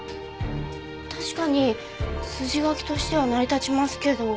確かに筋書きとしては成り立ちますけど。